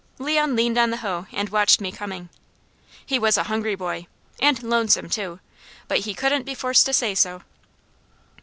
Leon leaned on the hoe and watched me coming. He was a hungry boy, and lonesome too, but he couldn't be forced to say so.